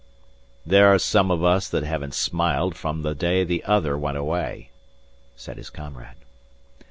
"There are some of us that haven't smiled from the day the Other went away," said his comrade.